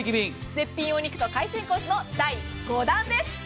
絶品お肉と海鮮コースの第５弾です。